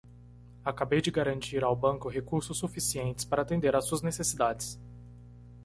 Acabei de garantir ao banco recursos suficientes para atender às suas necessidades.